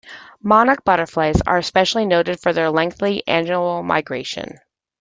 Monarch butterflies are especially noted for their lengthy annual migration.